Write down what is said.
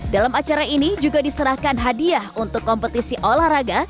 dalam acara ini juga diserahkan hadiah untuk kompetisi olahraga